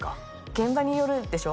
現場によるでしょ？